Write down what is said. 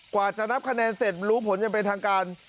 กว่าจะนับคะแนนเสร็จรู้ผลอย่างเป็นทางการ